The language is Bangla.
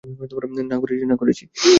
না, করেছি।